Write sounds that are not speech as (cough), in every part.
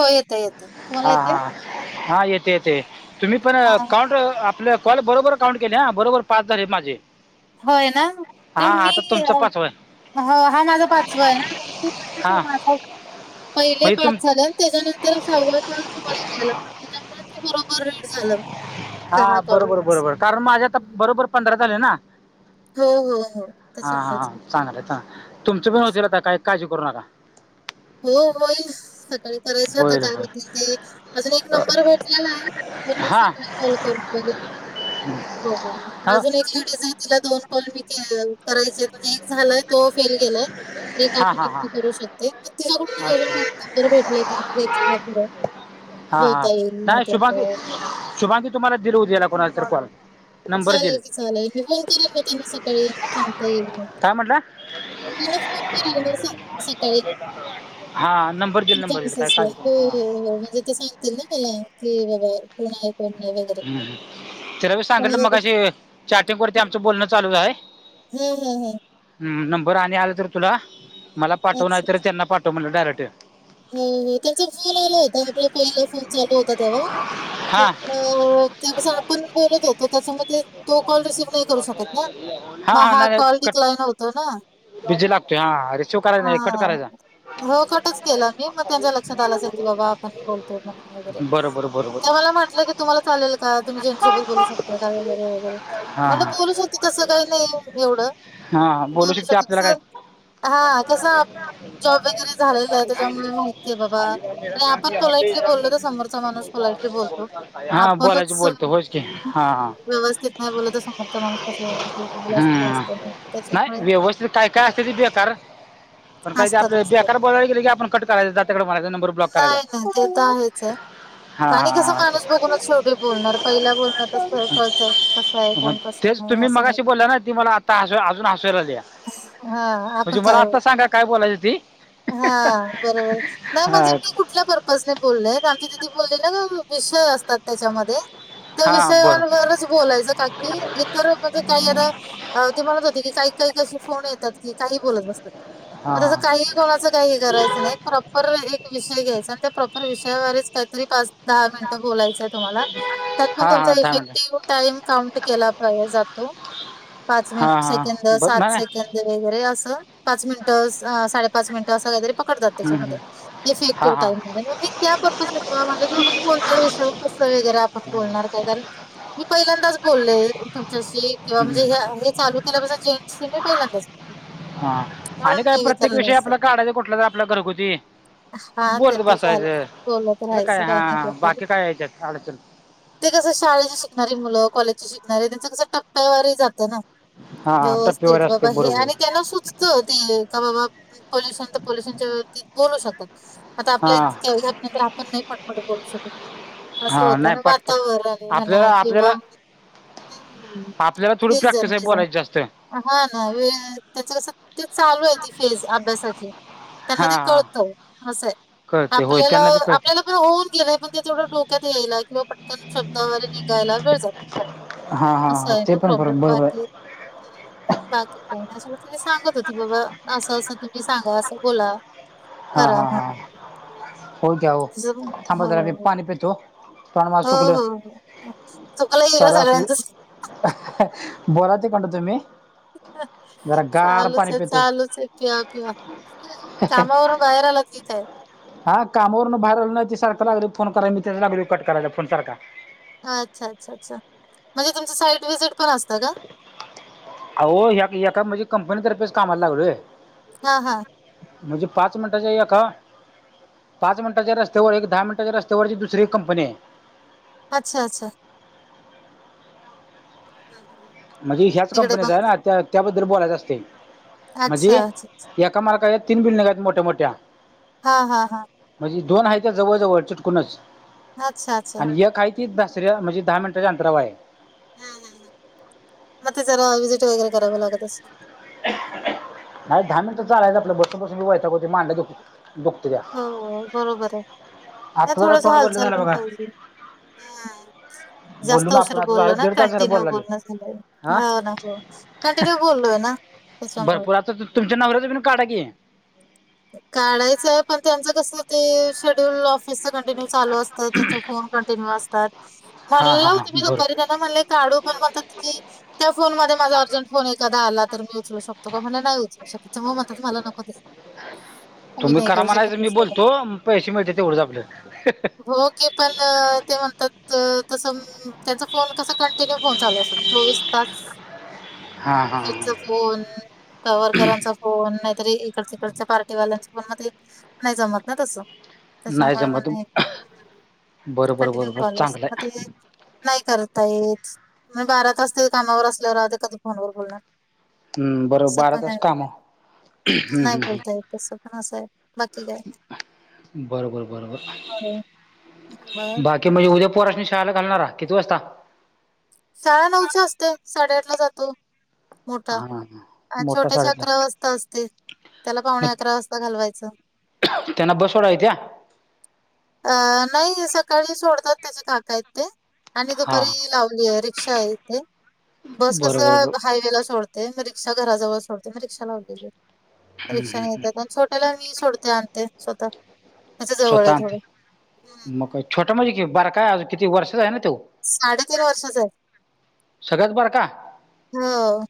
हो येतय येत - हा हा हा हा येते येते येतंय तुम्ही पण हां. कॉड आपलं कॉल बरोबर - काउंट केले हा बरोबर पाच झालेत माझे- होय ना हां तुम्ही आता तुमचं पाचवं आहे - ह हा माझा पाचवा आहे नात हां माझ पहिले म्हणजे तुम पाच झालं - (unintelligible) त्याच्यानंतर सहवा कॉल तुम्हाला केला त्याच्यामुळे ते बरोबर रेड झालं - हा बरोबर बरोबर कारण माझे आता बरोबर पंधरा झाले ना- हो, हो, हो. हा हा त्याच्यामुळेच हा चांगलंय चांगलंय तुमच पण होतील असं. आता काय काळजी करू नका- हो होईल सकाळी करायचं आता होईल काय होईल होतील ते - अजून एक नंबर भेटलेला म्हंटल हां सकाळी कॉल करून बगू- हो हो मग हां अजून एक लेडीज आहे तिला दोन कॉल मी केलं करायचे म्हणजे एक झालाय - तो फेल गेलाय एक हां अजून हां हां एक करू शकते - तिच्या कडूनच जवळ जवळ अच्छा भरपूर नंबर भेटले करून एक्स्ट्रा थोडं - हा नाही शुभांगी मग शुभांगी तुम्हाला दिल उद्याला कोणाचा तरी कॉल - चालेल की चालेल मी फोन करेल मग त्यांना सकाळी सांगता येईल मग - काय म्हटलं मु (unintelligible) केलं सकाळी हां नंबर देईल नंबर देईल काय गेनेसीसला काळजी करू हो हां हो हो म्हणजे ते सांग - तीन केलं की कोण हाय कोण नाही बागेत (unintelligible) तेला बी सांगितलं मगाशी चॅटिंग वरती आमचं बोलणं चालू आहे - हो हो हो हम नंबर आणि आल तर तुला मला पाठव अच्छा. नायतर त्यांना पाठव म्हंटल डायरेक्ट- हो हो त्यांचा फोन आला होता आपला पहिला फोन चालू होता तेव्हा- हां हो हो आपण बोलत होते त्यासोबत तो कॉल रिसिव्ह. करू शकत नाही ना म हा कॉल डीक्लाई नव्हता ना. बिजी लागतोय हा रिसिव करायचा हा नाही कट करायचा. हो कटचं- केला मी मग त्यांच्या लक्षात आला असेल की बाबा आपण बोलतोय म्हणून वगैरे बरं बरं बरं ते बरं मला म्हटलं की- तुम्हा चालेल का तुम्ही ज्यांच्यासोबत बोलू शकता का वैगरे वगैरे. हां म्हटल हां बोलूच शकते तसं काही नाही एवढं. हां बोलू शकते आपल्याला कस काय हा कस जॉब वगैरे झालेलं आहे. त्यामुळे माहितीय बाबा अरे आपण पोलाइटली बोललो तर समोरचा माणूस पोलाइटली बोलतो. हां बोलायचं आपणच बोलतो होच की हम् हां हां हम् व्यवस्थित- नाही बोलत समोरचा माणूस कसा बोलल हम्म. नाही त्याच्यामुळे- व्यवस्थित काय काय असतिती बेकार. पण काय ते असतात आपले असतात बेकार बोलायला गेले की आपण कट करायच जा तिकडे म्हणायचं नंबर ब्लॉक करायचा. नाही नाही ते तर आहेच आहे हा आणि कसं हा. माणूस बघूनच शेवटी बोलणार पहिला बोलण्यात स्थळं कळत तेच तुम्ही मगाशी बोलल्या ना ते मला आता हसु अजुन हसु यायला लागलया हां आपण काय होय काय बोलाय ती हां बरोबरच नाही हा, म्हणजे मी कुठ कुठल्या पर्पजने बोलले आमची दिदी बोलली ना प्रश्न असतात त्याच्यामध्ये त्या हा बरं विषयांवरच बरच बोलायच काकी इतर म्हणजे काही आता ते म्हणत होते की काही काही अशे फोन येतात की काही बोलत बसतात म हां तस हां काही कोणाच काही करायच नाही एक प्रॉपर एक विषय घ्यायचा आणि त्या प्रॉपर विषयावरच काही तरी पाच- दहा मिनिटं बोलायच तुम्हाला त्यात पण हां तुमचा हां दहा मिनटं इफेक्टिव्ह टाइम काउंट केला पाहि जातो पाच मिनिट, हां सेकंद हां बरं सात नाही नाही. सेकंद वगैरे अस पाच मिनिट साडेपाच मिनिट अस काहीतरी पकडतात हं, हं. त्याच्यामध्ये हां इफेक्टिव्ह हां टाईम मध्ये मग मी त्या पर्पस तुला म्हटल की कोणत्या विषयावर कस वगैरे पण बोलणार काय कारण मी पहिल्यांदाच बोलले तुमच्याशी किंवा म्हणजे हं, हे चालु केल्यापासन जेंटसशी मी पहिल्यांदाच बोलले हा म्हणून आणि काय मी प्रत्येक विचारलं विषयी असं. आपला काढायच कुठला तर आपल्या घरगुती हां, ते बोलत तर झालंच. बसायच बोलत मग काय राहायचं काही हा नाही. बाकी काय हेच्यात अडचण ते कस शाळेचे शिकणारी मुल कॉलेजची शिकणारे त्यांच कस टप्प्यावारही जातय ना हां टप्पेवर व्यवस्थित असते बाबा हे बरोबर आणि त्यांन सुचत ती का बाबा पोल्युशन तर पोल्युशनच्या वरती बोलु शकतो आता आपल्या हां इथ आपण नाही पटपट शकत अस हां होत नाही ना पाठ पाठ वातावरण म्हणा आपल्याला किंवा आपल्याला हम्म हम्, आपल्याला थोडी तेज प्रॅक्टिस आहे तेज. बोलायची जास्त हां (unintelligible) हान वेळ त्याच सत्य चालु आहे ती फेज अभ्यासाची त्यांना ते हां कळत अस आहे कळते होय आपल्याला त्यांना बी कळते. आपल्याला होऊन गेलेय पण तेवढ डोक्यात यायला किंवा पटकन शब्दावारे निघायला वेळ हा जातो हा अस हा आहे ते ना पण बरो प्रॉब्लेम बरोबर बाकी आहे बाकी काही नाही सांगत होती बाबा अस तुम्ही सांगा अस बोला हा करा हा हा म्हणून. हो काय हो तिचं पण थांब हो, जरा मी हो. पाणी पीतो हो हो हो चुकाला गेल चालू असू सगळ्यांच बोला तिकडन तुम्ही जरा गार चालुच पाणी आहे पितो चालुच आहे पिया पिया कामावरून बाहेर आलात की काय हां कामावरून बाहीर आलो नाही ते सारख लागलय फोन कराय मी त्याच लागलोय कट करायला फोन सारखा अच्छा अच्छा अच्छा म्हणजे तुमच साईट व्हीजीट पण असत का अहो ह्या एका म्हणजे कंपनीतर्फेच कामाला लागलोय हा हां म्हणजे पाच मिनिटांच्या एका पाच मिनिटाच्या रस्त्यावर एक दहा मिनटाच्या रस्त्यावर दुसरी एक कंपनी आहे अच्छा अच्छा हम्म्म म्हणजे ह्याच कंपनीचा आहे ना त्या त्याबद्दल बोलायचं असते म्हणजे अच्छा, अच्छा. - एका मालकाच्या तीन बिल्डिंग आहेत मोठ्या मोठ्या हा हा हा. म्हणजे दोन आहेत त्या जवळजवळ चीटकूनच, अच्छा, अच्छा. आणि एक आहेऽ ती दसऱ्या म्हणजे दहा मिनटाच्या अंतरावर आहे. हां हां हां म जरा विजिट वगैरे करावं लागत असेल. नाही दहा मिनिटं चालायच आपलं, बसून बसून मी वैतागतय मांड्या दुकत्यात. दुखत्या हो हो, बरोबर आहे, आता जरा थोडसं तोंड बोललं हालचाल झालं पण बघा पाहिजे. ह बोललो जास्त ना आपण उशीर आता बोललो झालं ना, दीड तास झालं कंटिन्यू बोलला बोलणं झालंय, हा हो ना हो कंटिन्यू बोललोय ना. त्याच्यामुळे भरपूर आता तुमच्या नवऱ्याच बी काड की. काढायचं आहे, पण त्यांचं कस ते शेड्यूल ऑफिसचा कंटिन्यूऽ चालू असतात, त्यांचे फोन कंटिन्यु आसतात. हा मनलं हा हा होतं मी बरोबर दुपारी ऽ म काढू पण मतात कीऽ त्या फोन मध्ये माझा अर्जंट फोन एखादा आला तर मी उचलू शकतो का, म्हनला नाही उचलऽ म मत त म्हाला नको देस तुम्ही करा म्हनायच मी बोलतो पैसे मिळते तेवढं आपलं हो के पण ते म्हणतात तसं त्यांचा फोन कसा कंटिन्यू फोन चोवीस तास हा हा हा. हेडचा फोन कवरकरांचा फोन नाहीतरी इकडचे पार्टीवाल्यांचं मग नाही नाय जमत ना तसं नाही त्याच्यामुळे जमत मला बरं बरं कंटिन्यू बरं बरं कल असत चांगलं मग ते आहे नाही करता काहीच बारा तास ते कामावर असल्यावर आध कधी फोनवर बोलणार हम्म बरोबर असं बारा पण तास आहे ना. काम नाही हम्मम् तसं पण आहे बाकी काय बरोबर बरोबर ह बाकी म्हणजेद्या पोरासनी शाळेला घालणारा किती वाजता शाळानऊच्या असते साळे आठ ला जातो मोठा हा अ मोठा छोट्या शाळेतला अकरा वाजता असते त्याला पावणे मग अकरा वाजता घालवायचं त्यांना बसवडा य त्या्या अ नाही सकाळी सोडतात त्याचे काका आहेतेत ते आणि हा दुपारी लावली आहे रिक्षा आहे इथे बस कस बरं बरं बरं हायवे ला सोड ते रिक्षा घराजवळ सोडते मी रिकशा लावलेली रिक्षा न येत आणि सोळ त्याला मी सोडते आणते स्वतः त्याच्या जवळ स्वतः आहे थोडं आणते मग हं. का छोटं म्हणजे कि बरं काय अज किती वर्षच आहे ना तो साडेतीन वर्षा च आहे सगळ्यात बारका हो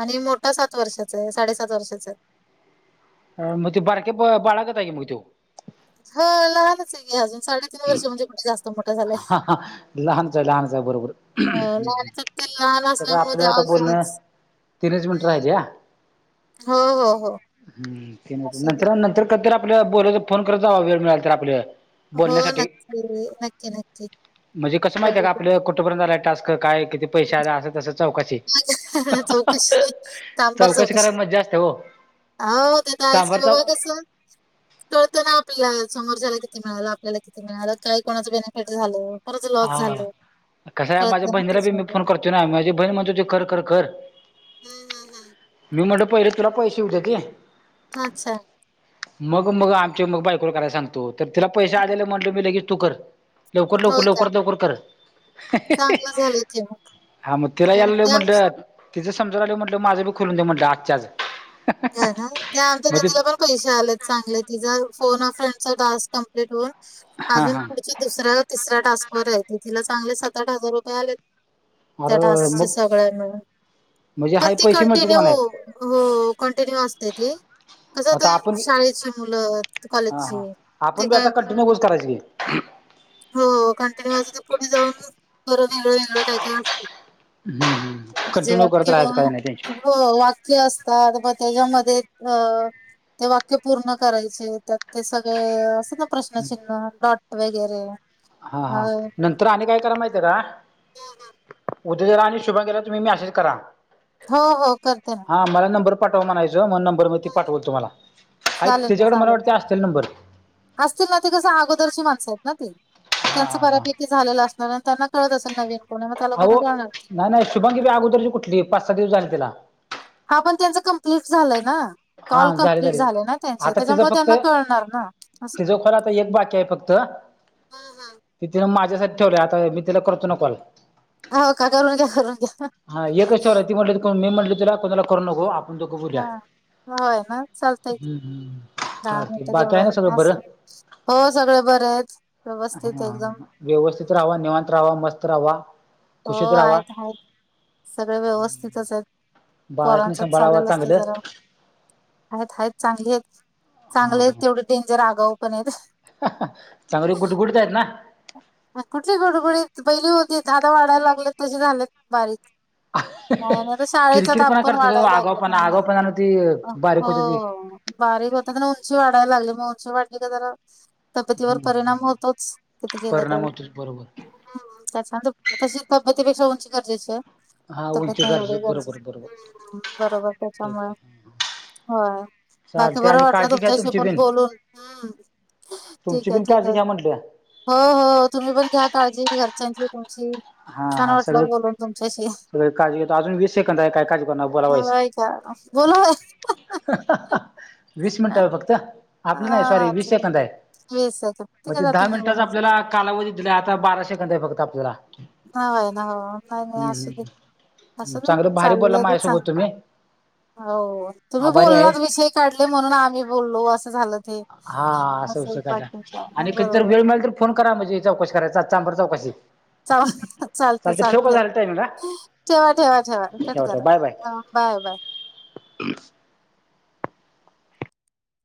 आणि मोठा सात वर्षाचा आहे साडेसात वर्षाच आहे अ मगे बरके ब बाळगतगे मुगव त्यो ह लहानच आहेे अजून साडेतीन वर्षे म्हणजे कुठे जास्त मोठा झालाय. ह लहानच आहे लहानच आहे बरोबर अ, लहानच ते लहान असल्यामुळे आपलं ते आता बोलण अजूनच. तीनच मिनिट हं. राहिली या हो, हो, हो. हम्म ते असू दे. नंतर नंतर कातरा आपल्या बोलाय फोन करत जावा वेळ मिळाल तर आपल्याला हो नक्की नक्की नक्की म्हणजे कसं माहिय का बरोबर. आपलं कुठंपर्यंतला टास्क काय किती पैसे आ अस तसं चौकशी चौकशी चौकशी करायला मज्जा असते हो हो त्या तर आहेयस सांबार चौक (unintelligible) कस कळतं ना आपल्याला समोरच्याला किती मिळालं आपल्याला किती मिळालं काय कोणाचं बेनिफिट झालं. कोणाचं लॉस हा झालं कसं आहे माझ्या कळतं ना बहिणीला बी मी त्याच्यामध्ये. फोन करतो ना माझी बहीण म्हणतो तू कर - कर -कर. हम्म - हम्म - हम्म. मी म्हटलं पहिले तुला पैसे येऊदे की. अच्छा. मग मग आमचे मग बायकोला करायला सांगतो तर तिला पैसे आलेला म्हटलं मी लगेच तू कर लवकर लवकर होय का? लवकर लवकर कर चांगलं झालं की मग. (inaudible) म तिला या त्या त्या आमच्या- म्हटलं तिचं समजा आलं म्हटलं माझं बी खुलून देऊ म्हटलं आजच्या आज. ह ना त्या आमच्या त मग ते तिला पण पैसे आलेत चांगले तिचा फोन अ फ्रेंड चा टास्क कंप्लीट कम्प्लीट होऊन हा अजून हा दुसऱ्या तिसऱ्या ट्रान्सवर आहे ती तिला चांगले सात आठ हजार रुपये आलेत. त्या अर टास्च्या मग सगळ्यांमुळे म्हणजे पण हाय ती पैसे मिळतात म्हणायचं कंटिन्यू कंटिन्यू असते ती. कसं आता तर आपण शाळेची मुलं कॉलेजची ते काय (unintelligible) करायची की, हो कंटिन्यू अस पुढे जाऊन खरं वेगळं वेगळं काय काय असतं. हम्म -हम्म म्हणजे कंटिन्यू करत वाक्य राहायचं काय नाही टेन्शन. हो वाक्य असतात त्याच्यामध्ये अ ते वाक्य पूर्ण करायचे त्यात ते सगळे असं प्रश्नचिन्ह डॉट वगैरे. हा- हा अ, नंतर आणि काय करा माहित आहे का? हा हा. उद्या जर आणि शुभांगी ला तुम्ही मेसेज करा. हो -हो करते ना. हा मला नंबर पाठवा म्हणायचं मग नंबर मग ती पाठवल तुम्हाला आहे चालेल ना, तीज्याकडं मला चालेल. वाटते असतील नंबर. असतील ना ते कसं अगोदरची माणसं आहेत ना ती. हा त्यांचं हा हा बऱ्यापैकी झालेलं असणार आणि त्यांना कळत असेल नवीन. कोण आहे मग त्या अहो लोकांना कळणार. नाय नाय शुभांगी ताई अगोदरची कुठली पाच सहा दिवस झाली तिला. हा पण त्यांचं कम्प्लीट झालंय ना. हा कॉल झाले कम्प्लीट झाले ना त्यांचे आता तिचं त्याच्यामुळे फक्त त्यांना कळणार ना असं तिचं कॉल आता एक बाकी आहे फक्त फक्त. हा- हा. ती तिनं माझ्यासाठी ठेवले आता मी तिला करतो ना कॉल. हो काका करून घ्या करून घ्या. तर मी म्हटलं तुला कोणाला करू नको आपण दोघं बोलूया. हा हो ना. चालतंय की. हम्म हम्म दहा चालतंय मिंट बाकी आहे तेवढं ना सगळं बरं? असं हो सगळे बरे आहेत व्यवस्थित एकदम. हा व्यवस्थित राहावा, निवांत राहावा, मस्त राहावा. हो खुशीत राहावा आहेत आहेत. सगळे व्यवस्थितच आहेत, बाळासनी पोरांचच सांभाळावा चाललेल असत चांगलं जरा. आहेत आहेत चांगली आहेत चांगले हा आहेत तेवढे डेंजर आगाऊ पण आहेत. चांगली गुड -गुडतय आहेत ना. कुठली गुडगुडीत पहिली होती आता वाढायला लागलेत तसे झालेत बारीक. नाही, आणि आता शाळेचा ताप किरकिरपणा पण करते तो वाढायला आगावपणा लागलं. आगावपणानं ती बारीक होते ती हो. बारीक होता पण उंची वाढायला लागली, मग उंची वाढली का जरा तब्येतीवर हम्म हम्म परिणाम होतोच, किती केलं परिणाम तरी. होतो बरोबर हम्म, त्याच्यान तशी तब्येतीपेक्षा उंची गरजेचीये. हा तब्येत उंची नाही गरजे एवढे बरोबर गरजेच, बरोबर बरोबर तेच त्याच्यामुळे हो, बाकी चालतंय बरं आणि वाटलं, काळजी घ्या तुमच्याशी तुमची पण बिन बोलून. हम्म. तुमची ठीक आहे, बिन ठीक काळजी आहे. घ्या म्हटलं हो हो, तुम्ही पण घ्या काळजी घरच्यांची, तुमची. हा छान हा सगळे वाटलं बोलून तुमच्याशी. सगळे काळजी घेतो अजून वीस सेकंद आहे काय काळजी करणार बोलावायच होय काय? बोलू वीस मिनिट हाय फक्त. आपलं नाही हा सॉरी वीस अच्छा सेकंद आहे, वीस सेकंद मग काय ते दहा जातील मिनिटाचा निघून असे आपल्याला कालावधी दिलाय. आता बारा सेकंद फक्त आपल्याला. ना ना काय नाही असू हम्म, दे, हम्म. असू दे चांगलं भारी बोलला चाललंय ते चांग माझ्यासोबत तुम्ही हो तुम्ही आभारी आहे बोललात, विषय काढले, म्हणून आम्ही बोललो असं झालं ते. हा असं विषय काढला. बाकी काय ना आणि कधीतर बरोबर वेळ मिळाला तर फोन करा म्हणजे चौकशी करायला, चांबार चौकशी. चला, चालतय चालते ठेव का चालतय. झालं टायमिंग हा ठेवा ठेवा ठेवा, कट ठेवा करा. Bye bye bye bye.